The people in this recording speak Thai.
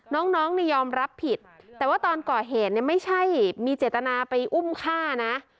น้องเนี่ยยอมรับผิดแต่ว่าตอนก่อเหตุเนี่ยไม่ใช่มีเจตนาไปอุ้มฆ่านะ